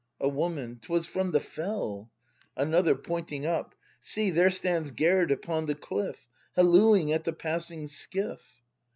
A Woman. 'Twas from the fell. Another. [Pointing up.] See, there stands Gerd upon the cliff. Hallooing at the passing skiff!